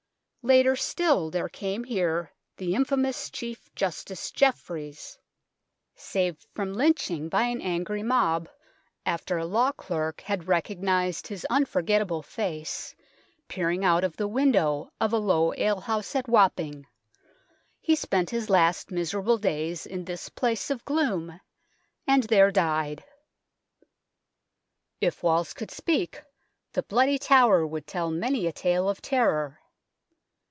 Later still there came here the infamous Chief Justice Jeffreys. Saved from lynching by an angry mob, after a law clerk had 94 THE TOWER OF LONDON recognized his unforgettable face peering out of the window of a low ale house at Wapping, he spent his last miserable days in this place of gloom, and there died. If walls could speak, the Bloody Tower would tell many a tale of terror.